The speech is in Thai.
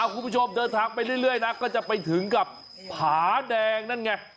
คุณผู้ชมเดินทางไปเรื่อยนะก็จะไปถึงกับผาแดงนั่นไง